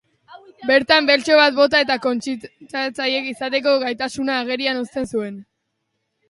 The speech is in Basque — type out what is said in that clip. Bertan, bertso bat bota eta konkistatzailea izateko gaitasuna agerian uzten zuen.